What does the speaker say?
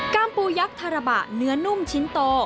ปูยักษ์ทาระบะเนื้อนุ่มชิ้นโต